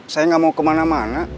saya nggak mau kemana mana